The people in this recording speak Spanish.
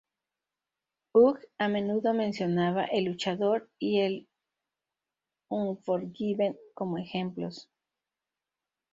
Hugh a menudo mencionaba "El luchador" y "Unforgiven" como ejemplos.